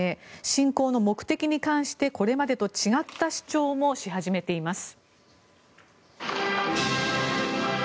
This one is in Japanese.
侵攻の目的に関して、これまでと違った主張もし始めています。